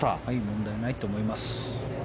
問題ないと思います。